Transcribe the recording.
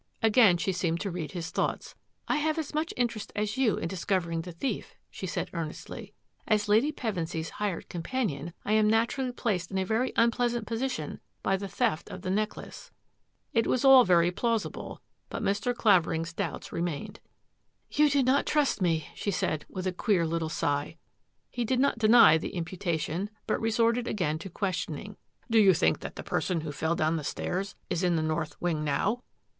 Again she seemed to read his thoughts. " I have as much interest as you in discovering the thief," she said earnestly. " As Lady Pevensy's hired companion, I am naturally placed in a very un pleasant position by the theft of the necklace." It was all very plausible, but Mr. Clavering's doubts remained. " You do not trust me," she said, with a queer little sigh. He did not deny the imputation, but resorted again to questioning. " Do you think that the person who fell down the stairs is in the north wing now?